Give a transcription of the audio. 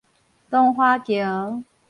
東華橋